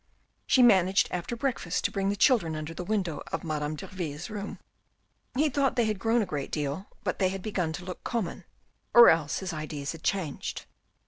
She managed after breakfast to bring the children under the window of Madame Derville's room. He thought they had grown a great deal, but they had begun to look common, or else his ideas had changed.